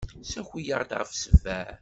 Ssaki-aɣ-d ɣef ssebɛa.